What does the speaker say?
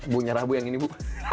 bu nyerah bu yang ini bu